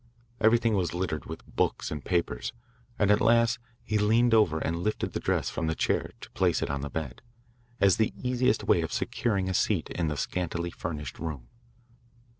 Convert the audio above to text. Everything was littered with books and papers, and at last he leaned over and lifted the dress from the chair to place it on the bed, as the easiest way of securing a seat in the scantily furnished room.